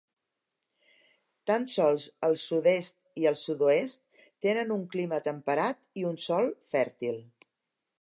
Tan sols el sud-est i el sud-oest tenen un clima temperat i un sòl fèrtil.